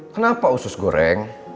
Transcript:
kenapa usus goreng